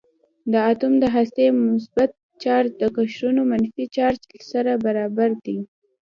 د اتوم د هستې مثبت چارج د قشرونو منفي چارج سره برابر دی.